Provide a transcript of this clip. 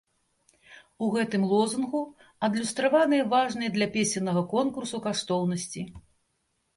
У гэтым лозунгу адлюстраваныя важныя для песеннага конкурсу каштоўнасці.